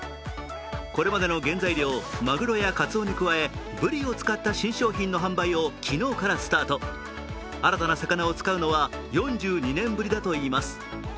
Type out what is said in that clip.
これまでの原材料、まぐろやかつおに加え、ブリを使った新商品の販売を昨日からスタート新たな魚を使うのは４２年ぶりだといいます。